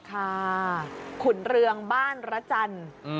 ขุนเรืองบ้านระจันทร์